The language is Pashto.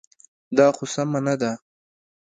دا خو سمه نه ده.